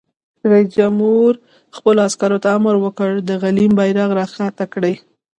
رئیس جمهور خپلو عسکرو ته امر وکړ؛ د غلیم بیرغ راکښته کړئ!